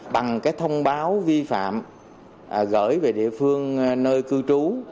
bằng cái thông báo vi phạm gửi về địa phương nơi cư trú